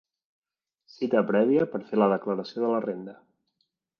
Cita prèvia per fer la declaració de la renda.